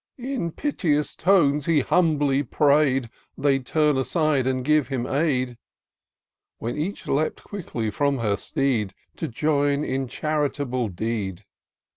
In piteous tones he humbly pray'd They'd turn aside, and give him aid ; When each leap'd quickly from her steed, To join in charitable deed.